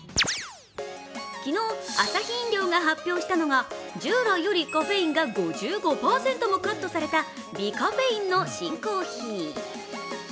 昨日、アサヒ飲料が発表したのが従来よりカフェインが５５％もカットされた、微カフェインの新コーヒー。